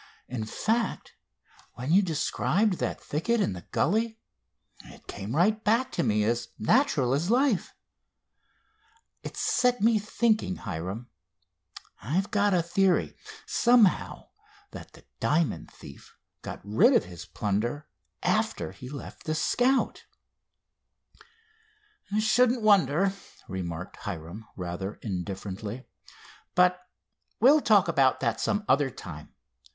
In fact, when you described that thicket and the gully, it came right back to me, as natural as life. It's set me thinking, Hiram. I've got a theory, somehow, that the diamond thief got rid of his plunder after he left the Scout." "Shouldn't wonder," remarked Hiram rather indifferently, "but we'll talk about that some other time.